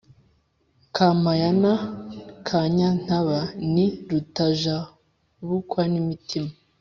Kampayana ka Nyantaba ni Rutajabukwa-n‘imitima